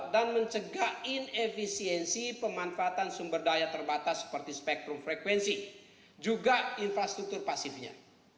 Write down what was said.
dan mencegah inefisiensi pemanfaatan sumber daya terbatas seperti spektrum frekuensi juga infrastruktur pasifnya